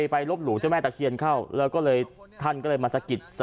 ไปลบหลู่เจ้าแม่ตะเคียนเข้าแล้วก็เลยท่านก็เลยมาสะกิด